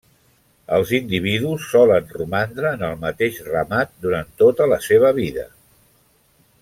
Els individus solen romandre en el mateix ramat durant tota la seva vida.